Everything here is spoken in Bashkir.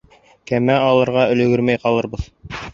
Кәмә алырға өлгөрмәй ҡалырбыҙ...